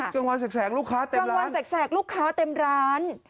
กลางวานแสกลูกค้าเต็มร้าน